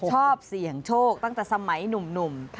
ชอบเสี่ยงโชคตั้งแต่สมัยหนุ่ม